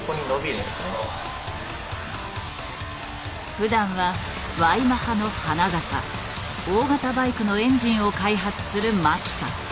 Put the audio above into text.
ふだんはＹマハの花形大型バイクのエンジンを開発する牧田。